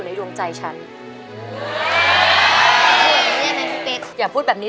ยังไม่มีให้รักยังไม่มี